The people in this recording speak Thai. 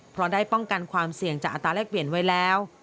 เพราะได้ป้องกันความเสี่ยงจากอัตราแรกเปลี่ยนไว้แล้ว